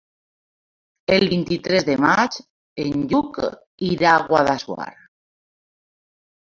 El vint-i-tres de maig en Lluc irà a Guadassuar.